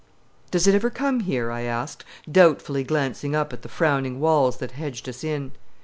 "Does it ever come here?" I asked, doubtfully glancing up at the frowning walls that hedged us in.